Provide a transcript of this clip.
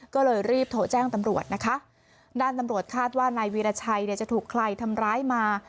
ก็เลยรีบโทรแจ้งตำรวจนะคะด้านตำรวจคาดว่านายวีรชัยเนี่ยจะถูกใครทำร้ายมา